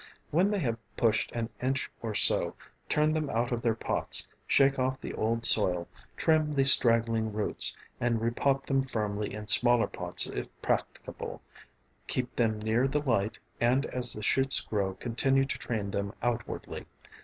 When they have pushed an inch or so, turn them out of their pots, shake off the old soil, trim the straggling roots, and repot them firmly in smaller pots if practicable; keep them near the light, and as the shoots grow continue to train them outwardly.